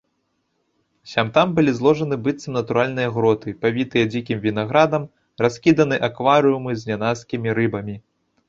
Сям-там былі зложаны быццам натуральныя гроты, павітыя дзікім вінаградам, раскіданы акварыумы з нянаскімі рыбамі.